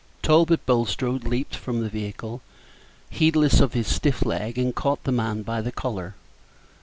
Talbot Bulstrode leaped from the vehicle, heedless of his stiff leg, and caught the man by the collar.